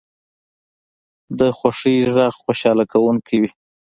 د خوښۍ غږ خوشحاله کوونکی وي